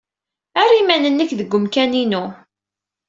Err iman-nnek deg wemkan-inu.